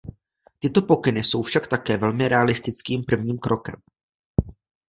Tyto pokyny jsou však také velmi realistickým prvním krokem.